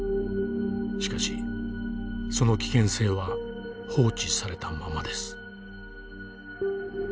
しかしその危険性は放置されたままです。